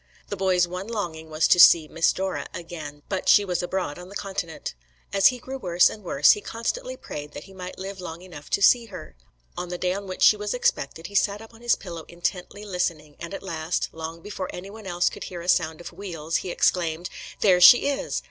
The boy's one longing was to see "Miss Dora" again, but she was abroad on the Continent. As he grew worse and worse, he constantly prayed that he might live long enough to see her. On the day on which she was expected, he sat up on his pillows intently listening, and at last, long before anyone else could hear a sound of wheels, he exclaimed: "There she is!"